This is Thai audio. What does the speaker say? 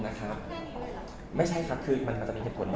แท้นี้ด้วยหรือเปล่าไม่ใช่ครับคือมันจะมีเหตุผล